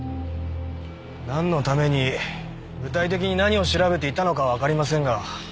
なんのために具体的に何を調べていたのかはわかりませんが。